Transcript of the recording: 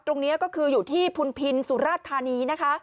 ตรงนี้ก็คืออยู่ที่ภูลพินธรรมสุราธารณี